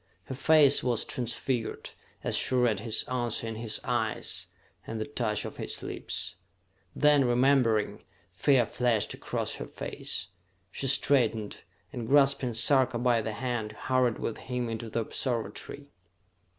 Her face was transfigured as she read his answer in his eyes, and the touch of his lips. Then, remembering, fear flashed across her face. She straightened, and grasping Sarka by the hand, hurried with him into the observatory.